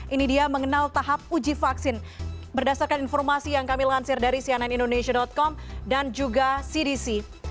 ini dia mengenal tahap uji vaksin berdasarkan informasi yang kami lansir dari cnnindonesia com dan juga cdc